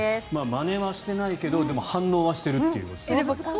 まねはしてないけどでも反応はしているということですね。